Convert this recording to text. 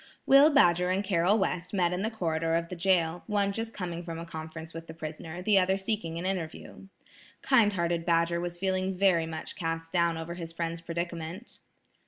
Will Badger and Carroll West met in the corridor of the jail, one just coming from a conference with the prisoner, the other seeking an interview. Kind hearted Badger was feeling very much cast down over his friend's predicament.